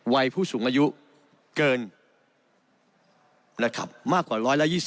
วัยผู้สูงอายุเกินมากกว่า๑๒๐